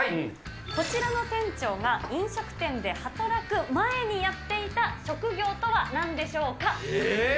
こちらの店長が飲食店で働く前にやっていた職業とはなんでしょうえー？